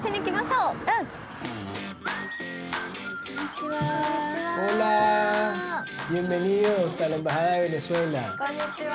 うん！こんにちは。